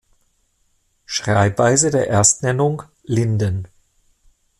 Schreibweise der Erstnennung: "Linden".